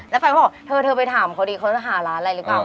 แล้วแฟนเขาบอกเธอไปถามเขาดีเขาจะหาร้านอะไรหรือเปล่า